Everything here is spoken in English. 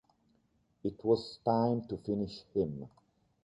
It was time to finish him.